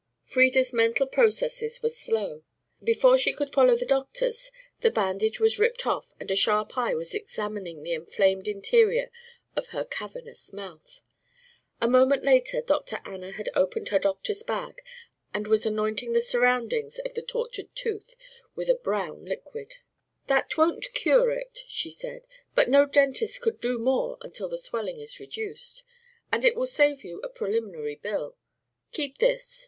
Frieda's mental processes were slow. Before she could follow the doctor's the bandage was ripped off and a sharp eye was examining the inflamed interior of her cavernous mouth. A moment later Dr. Anna had opened her doctor's bag and was anointing the surroundings of the tortured tooth with a brown liquid. "That won't cure it," she said, "but no dentist could do more until the swelling is reduced. And it will save you a preliminary bill. Keep this.